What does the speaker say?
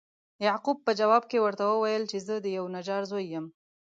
یعقوب په جواب کې ورته وویل چې زه د یوه نجار زوی یم.